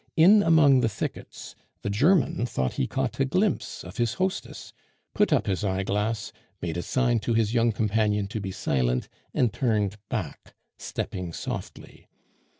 In among the thickets the German thought he caught a glimpse of his hostess, put up his eyeglass, made a sign to his young companion to be silent, and turned back, stepping softly.